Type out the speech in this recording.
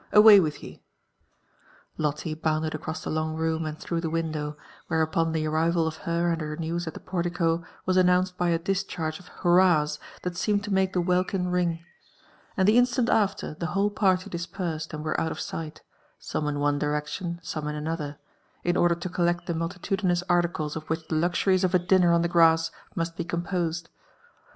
Away with ye 1" Lolte bounded across the long room and through the window, where upon the arrival of h^ and her news at the portico was announoed by a discharge of hurrah« that seemed lo make (he welkin ring ; and the instant after, the whole parly dispersed and were out of sight, some ia one direction, some In anulher, in order lo collect the muUiludinous aTliclea of which the luxuries of a dimmer on the grass must be eom * posed.